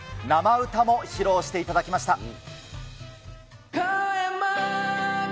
生歌も披露していただきました。